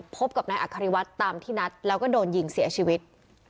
พบกับนายอัคริวัตรตามที่นัดแล้วก็โดนยิงเสียชีวิต